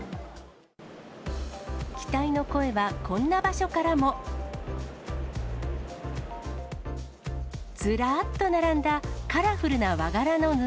期待の声は、こんな場所からも。ずらっと並んだカラフルな和柄の布。